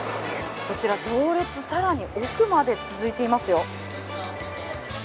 こちら、行列更に奥まで続いていますよ。